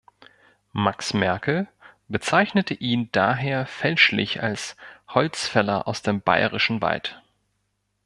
Max Merkel bezeichnete ihn daher fälschlich als „Holzfäller aus dem Bayerischen Wald“.